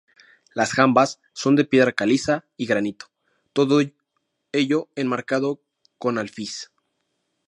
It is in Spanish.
Las jambas son de piedra caliza y granito, todo ello enmarcado con alfiz.